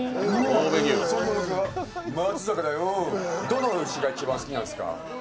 どの牛が一番好きなんですか？